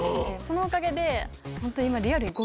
そのおかげでホント今リアルに。